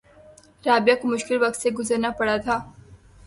رابعہ کو مشکل وقت سے گزرنا پڑا تھا